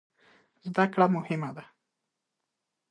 زده کړه مهم ده